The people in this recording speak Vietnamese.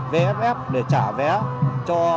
vff để trả vé cho